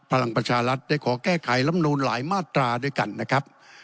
พลังประชารัฐได้ขอแก้ไขลำนูนหลายมาตราด้วยกันนะครับ